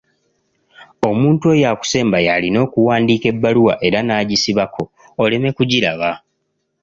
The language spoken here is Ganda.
Omuntu oyo akusemba yalima okuwandiika ebbaluwa era n'agisibako oleme kugiraba.